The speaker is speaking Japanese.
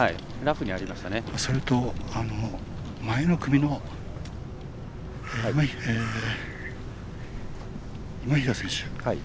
それと、前の組の今平選手。